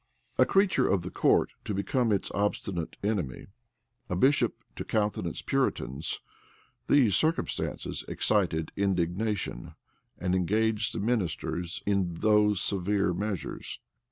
A creature of the court to become its obstinate enemy, a bishop to countenance Puritans; these circumstances excited indignation, and engaged the ministers in those severe measures.